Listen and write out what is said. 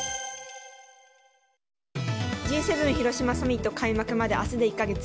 Ｇ７広島サミット開幕まで明日で１か月。